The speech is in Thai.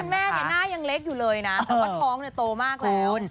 แม่เนี่ยหน้ายังเล็กอยู่เลยนะแต่ว่าท้องเนี่ยโตมากแล้ว